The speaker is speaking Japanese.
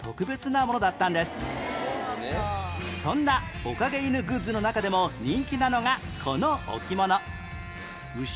そんなおかげ犬グッズの中でも人気なのがこの置物